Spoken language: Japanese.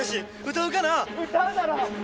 歌うだろ！